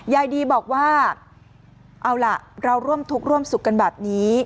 ยายดีบอกว่าเอาล่ะเราร่วมทุกข์ร่วมสุขกันแบบนี้